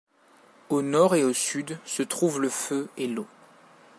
Au nord et au sud se trouvent le feu et l’eau.